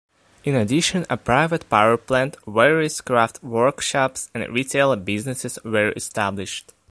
In addition, a private power plant, various craft workshops, and retail businesses were established.